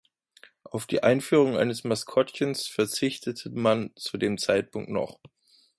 Auf die Einführung eines Maskottchens verzichtete man zu dem Zeitpunkt noch.